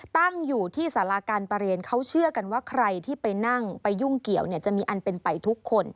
ตั้งอยู่ที่สาราการประเรียนเขาเชื่อกันว่าใครที่ไปนั่งไปยุ่งเกี่ยวเนี่ยจะมีอันเป็นไปทุกคน